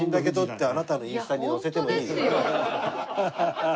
ハハハハ！